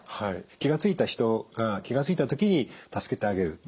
気が付いた人が気が付いた時に助けてあげる。